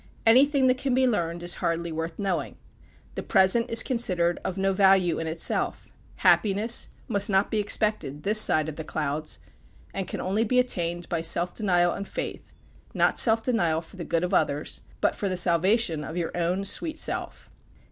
Anything that can be learned is hardly worth knowing. The present is considered of no value in itself. Happiness must not be expected this side of the clouds, and can only be attained by self denial and faith; not self denial for the good of others, but for the salvation of your own sweet self.